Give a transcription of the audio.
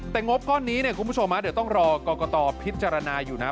แต่งบก้อนนี้เนี่ยคุณผู้ชมเดี๋ยวต้องรอกรกตพิจารณาอยู่นะ